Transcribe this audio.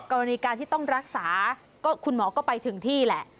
กรณีการที่ต้องรักษาก็คุณหมอก็ไปถึงที่แหละ